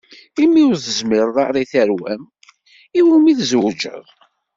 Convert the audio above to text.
Imi ur tezmireḍ ara i terwa-m, iwumi i tezweǧeḍ?